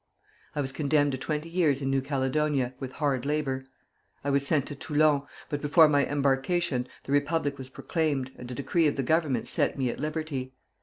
I was condemned to twenty years in New Caledonia, with hard labor. I was sent to Toulon, but before my embarkation the Republic was proclaimed, and a decree of the Government set me at liberty.